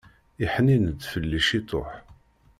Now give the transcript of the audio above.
Iḥnin-d fell-i ciṭuḥ!